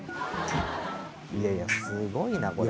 いやいやすごいなこれ。